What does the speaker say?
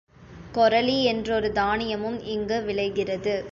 கொரலி என்றொரு தானியமும் இங்கு விளைகிறது.